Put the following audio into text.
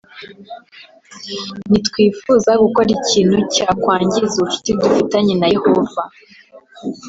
Ntitwifuza gukora ikintu cyakwangiza ubucuti dufitanye na Yehova